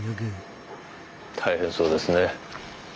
大変そうですね。